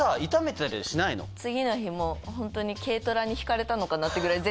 次の日ホントに軽トラにひかれたのかなってぐらい。